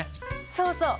そうそう！